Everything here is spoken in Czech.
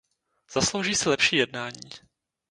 Zaslouží si lepší jednání.